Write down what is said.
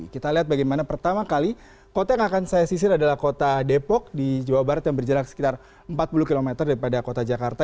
kita lihat bagaimana pertama kali kota yang akan saya sisir adalah kota depok di jawa barat yang berjarak sekitar empat puluh km daripada kota jakarta